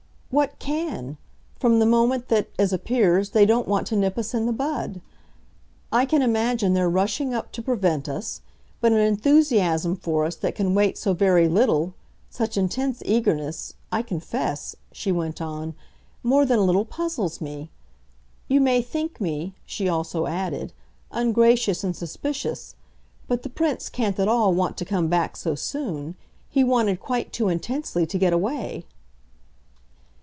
"What CAN from the moment that, as appears, they don't want to nip us in the bud? I can imagine their rushing up to prevent us. But an enthusiasm for us that can wait so very little such intense eagerness, I confess," she went on, "more than a little puzzles me. You may think me," she also added, "ungracious and suspicious, but the Prince can't at all want to come back so soon. He wanted quite too intensely to get away."